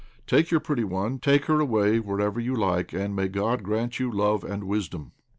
Take your pretty one, take her away wherever you like, and may God grant you love and wisdom."